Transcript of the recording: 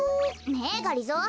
ねえがりぞー